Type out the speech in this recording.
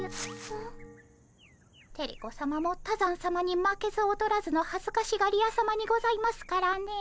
テレ子さまも多山さまに負けず劣らずのはずかしがり屋さまにございますからね。